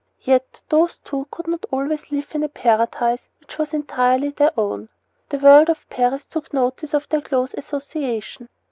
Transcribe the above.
Yet these two could not always live in a paradise which was entirely their own. The world of Paris took notice of their close association.